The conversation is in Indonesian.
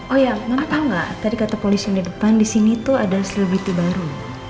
oh ya maaf tahu nggak tadi kata polisi yang di depan di sini tuh ada selebiti baru